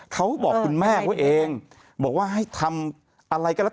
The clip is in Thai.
เขาบอกคุณแม่เขาเองบอกว่าให้ทำอะไรก็แล้ว